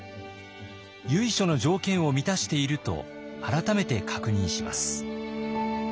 由緒の条件を満たしていると改めて確認します。